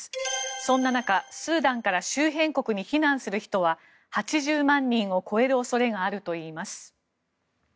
そんな中、スーダンから周辺国に避難する人は８０万人を超える恐れがあるといいます。